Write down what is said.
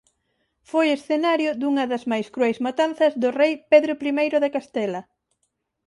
Foi escenario dunha das máis crueis matanzas do rei Pedro I de Castela.